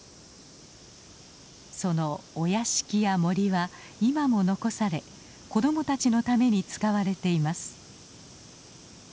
そのお屋敷や森は今も残され子供たちのために使われています。